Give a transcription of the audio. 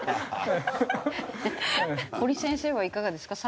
堀先生はいかがですか？